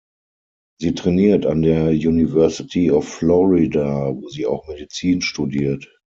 Sie trainiert an der University of Florida, wo sie auch Medizin studiert.